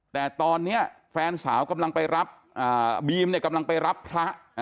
แต่ตอนนี้แฟนสาวกำลังไปรับบีมเนี่ยกำลังไปรับพระ